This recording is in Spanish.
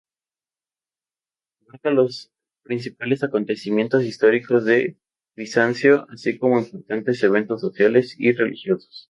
Abarca los principales acontecimientos históricos de Bizancio, así como importantes eventos sociales y religiosos.